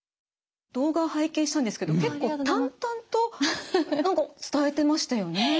動画を拝見したんですけど結構淡々と何か伝えてましたよね？